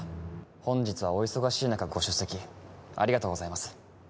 本日はお忙しい中ご出席ありがとうございます